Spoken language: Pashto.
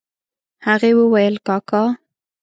هغې وويل کاکا.